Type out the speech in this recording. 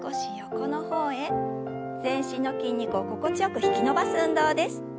全身の筋肉を心地よく引き伸ばす運動です。